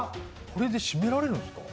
これで締められるんすか？